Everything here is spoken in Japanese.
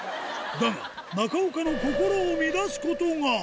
だが、中岡の心を乱すことが。